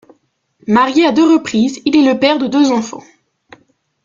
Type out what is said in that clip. Marié à deux reprises, il est le père de deux enfants.